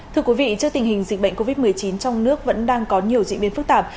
thưa quý vị trước tình hình dịch bệnh covid một mươi chín trong nước vẫn đang có nhiều diễn biến phức tạp